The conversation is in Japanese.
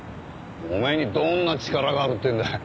お前にどんな力があるっていうんだよ。